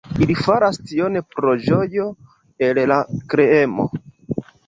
Ili faras tion pro ĝojo el la kreemo.